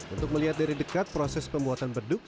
untuk melihat dari dekat proses pembuatan beduk